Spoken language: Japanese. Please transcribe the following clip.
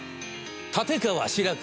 立川志らく